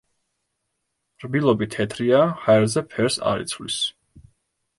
რბილობი თეთრია, ჰაერზე ფერს არ იცვლის.